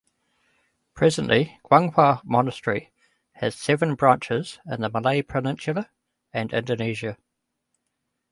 Presently, Guanghua Monastery has seven branches in the Malay Peninsula and Indonesia.